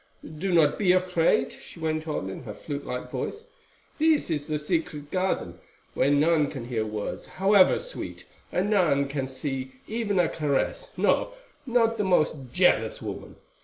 "Do not be afraid," she went on in her flute like voice; "this is the secret garden, where none can hear words, however sweet, and none can see even a caress, no, not the most jealous woman.